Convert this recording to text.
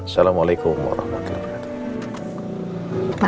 assalamualaikum warahmatullahi wabarakatuh